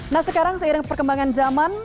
nah sekarang seiring perkembangan zaman